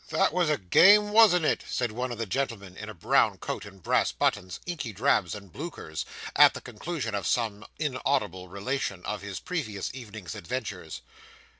'That was a game, wasn't it?' said one of the gentlemen, in a brown coat and brass buttons, inky drabs, and bluchers, at the conclusion of some inaudible relation of his previous evening's adventures.